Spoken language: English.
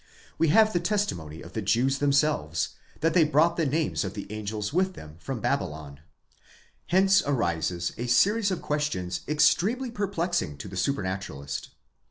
We have the testimony of the Jews themselves, that they brought the names of the angels with them from Babylon.* Hence arises a series of questions extremely perplexing to the supranaturalist.